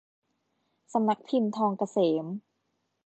สำนักพิมพ์ทองเกษม